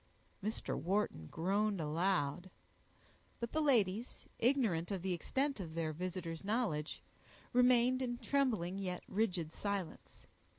Mr. Wharton groaned aloud; but the ladies, ignorant of the extent of their visitor's knowledge, remained in trembling yet rigid silence.